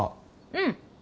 うん